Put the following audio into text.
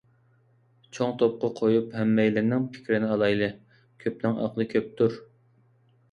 چوڭ توپقا قويۇپ ھەممەيلەننىڭ پىكرىنى ئالايلى. كۆپنىڭ ئەقلى كۆپتۇر.